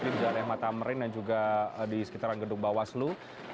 di jalan mh tamrin dan juga di sekitaran gedung bawaslu